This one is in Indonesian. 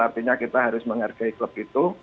artinya kita harus menghargai klub itu